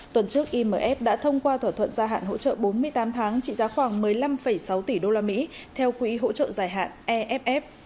tuần trước imf đã thông qua thỏa thuận gia hạn hỗ trợ bốn mươi tám tháng trị giá khoảng một mươi năm sáu tỷ usd theo quỹ hỗ trợ dài hạn eff